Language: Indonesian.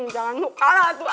jangan mau kalah tuh